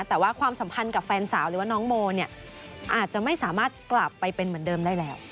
แต่ว่าความสัมพันธ์กับแฟนสาวหรือว่าน้องโมเนี่ยอาจจะไม่สามารถกลับไปเป็นเหมือนเดิมได้แล้ว